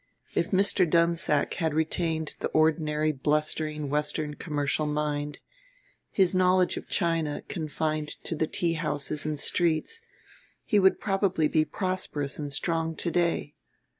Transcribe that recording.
If Mr. Dunsack had retained the ordinary blustering Western commercial mind, his knowledge of China confined to the tea houses and streets, he would probably be prosperous and strong to day.